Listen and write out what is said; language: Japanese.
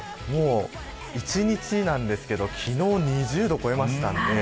１日ですが、昨日２０度を超えましたので。